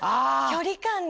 距離感ね。